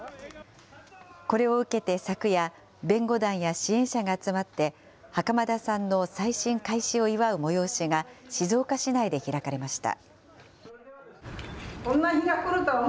これを受けて昨夜、弁護団や支援者が集まって、袴田さんの再審開始を祝う催しが静岡市内で開かれました。